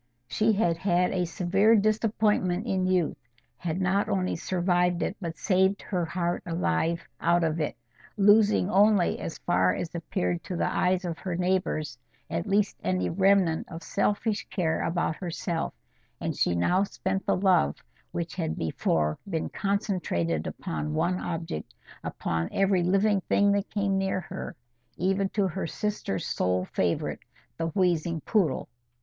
She had had a severe disappointment in youth, had not only survived it, but saved her heart alive out of it, losing only, as far as appeared to the eyes of her neighbours at least, any remnant of selfish care about herself; and she now spent the love which had before been concentrated upon one object, upon every living thing that came near her, even to her sister's sole favourite, the wheezing poodle.